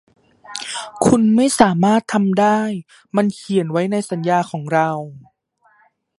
คุณไม่สามารถทำได้มันเขียนไว้ในสัญญาของเรา